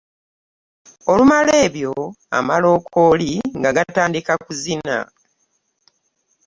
Olumala ebyo, amalookooli nga gatandika kuzina.